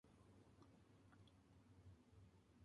En julio de ese año se intentó un rescate que fracasó.